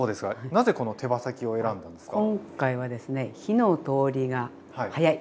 なぜこの手羽先を選んだんですか？